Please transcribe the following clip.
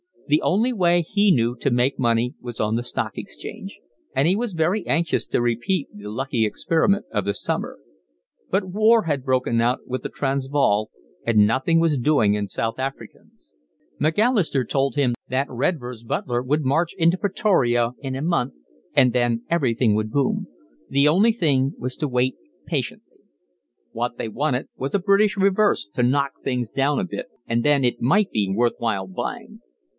The only way he knew to make money was on the Stock Exchange, and he was very anxious to repeat the lucky experiment of the summer; but war had broken out with the Transvaal and nothing was doing in South Africans. Macalister told him that Redvers Buller would march into Pretoria in a month and then everything would boom. The only thing was to wait patiently. What they wanted was a British reverse to knock things down a bit, and then it might be worth while buying.